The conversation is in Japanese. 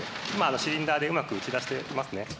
シリンダーでうまく打ち出してますね。